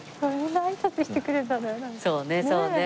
そうねそうね。